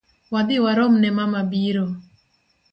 Wadhi waromne mama biro.